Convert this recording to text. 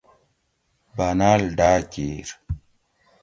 باناۤل ڈاۤ کِیر